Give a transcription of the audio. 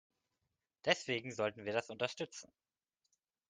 Deswegen sollten wir das unterstützen.